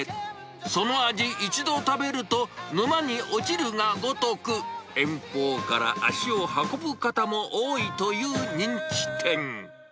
その味、一度食べると沼に落ちるがごとく、遠方から足を運ぶ方も多いという人気店。